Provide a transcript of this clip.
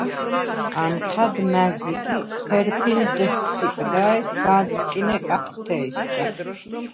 ანჴად მაზიგ ი ფერფილდ ესსიპდა ი სგ’ ა̄დსკინე კათხთე̄ჲსგა.